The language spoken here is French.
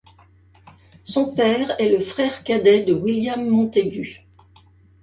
Son père est le frère cadet de William Montagu.